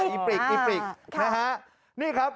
อิปริกค่ะนี่นะครับ